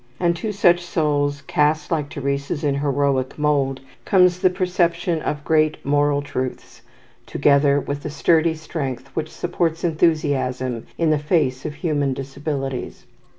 And to such souls, cast like Teresa's in heroic mould, comes the perception of great moral truths, together with the sturdy strength which supports enthusiasm in the face of human disabilities.